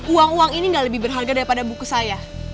uang uang ini gak lebih berharga daripada buku saya